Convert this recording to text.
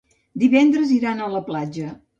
Divendres iran a la platja.